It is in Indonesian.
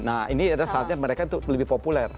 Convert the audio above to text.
nah ini adalah saatnya mereka untuk lebih populer